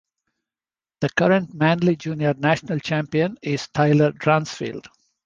The current manly junior national champion is Tyler Dransfield.